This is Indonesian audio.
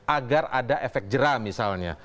agar ada efek jerah misalnya